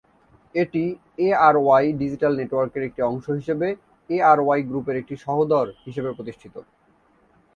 এটি ARY digital network এর একটি অংশ হিসেবে এআরওয়াই গ্রুপ এর একটি সহোদর হিসেবে প্রতিষ্ঠিত।